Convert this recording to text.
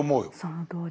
そのとおり。